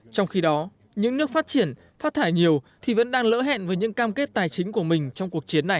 trong khi đó những nước phát triển phát thải nhiều thì vẫn đang lỡ hẹn với những cam kết tài chính của mình trong cuộc chiến này